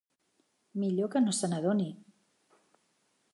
Millor que no se n'adoni!